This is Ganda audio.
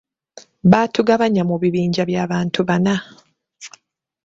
Baatugabanya mu bibinja bya bantu bana.